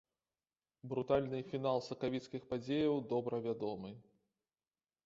Брутальны фінал сакавіцкіх падзеяў добра вядомы.